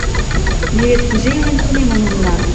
Ме вет кузе илен тунемын улына?